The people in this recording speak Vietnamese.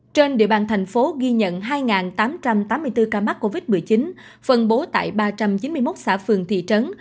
trên địa bàn thành phố ghi nhận hai tám trăm tám mươi bốn ca mắc covid một mươi chín phân bố tại ba trăm chín mươi một xã phường thị trấn